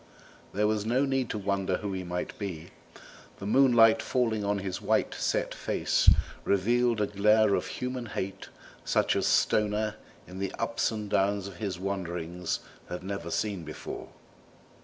There was no need to wonder who he might be; the moonlight falling on his white set face revealed a glare of human hate such as Stoner in the ups and downs of his wanderings had never seen before.